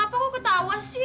iya kenapa kok ketawa sih